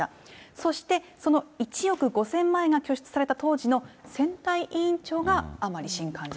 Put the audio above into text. そして、その１億５０００万円が拠出された当時の選対委員長が甘利新幹事